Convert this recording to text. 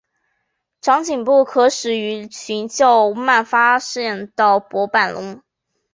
长颈部可使鱼群较慢发现到薄板龙。